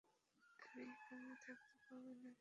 আমি এখানে থাকতে পারবো না, অ্যাডাম।